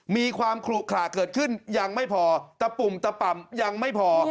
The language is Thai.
มีความขลุขระเกิดขึ้นยังไม่พอตะปุ่มตะป่ำยังไม่พอ